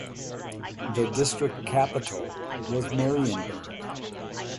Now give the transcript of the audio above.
The district capital was Marienburg.